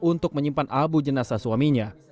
untuk menyimpan abu jenasa suaminya